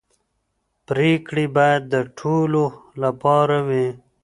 پرېکړې باید د ټولو لپاره وي